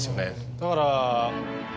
だから。